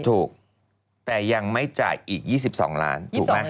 ถูกแต่ยังไม่จ่ายอีก๒๒ล้าน